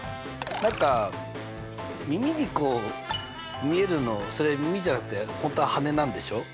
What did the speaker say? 何か耳にこう見えるのそれ耳じゃなくて本当は羽なんでしょう？